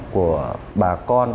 của bà con